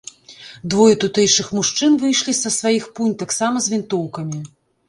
Двое тутэйшых мужчын выйшлі са сваіх пунь таксама з вінтоўкамі.